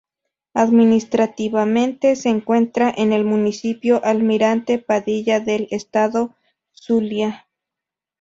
Administrativamente se encuentra en el Municipio Almirante Padilla del Estado Zulia.